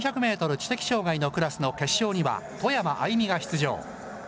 知的障害のクラスの決勝には外山愛美が出場。